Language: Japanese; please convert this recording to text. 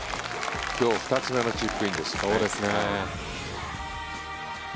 今日２つ目のチップインですね。